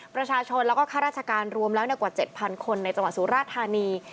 ประชาชนแล้วก็ข้าราชการรวมแล้วกว่า๗๐๐คนในจังหวัดสุราธานี